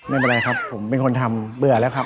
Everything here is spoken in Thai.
ไม่เป็นไรครับผมเป็นคนทำเบื่อแล้วครับ